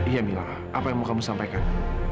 iya mila apa yang mau kamu sampaikan